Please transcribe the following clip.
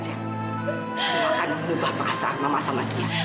itu akan mengubah bahasa mama sama dia